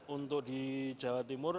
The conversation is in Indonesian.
untuk di jawa timur